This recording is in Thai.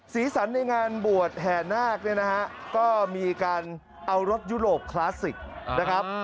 สีสันในงานบวชแห่นาคเนี่ยนะฮะก็มีการเอารถยุโรปคลาสสิกนะครับ